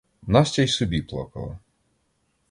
Настя й собі плакала.